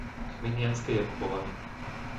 Chminianske Jakubovany